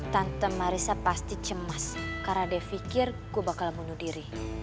tante marisa pasti cemas karena dia pikir gue bakal bunuh diri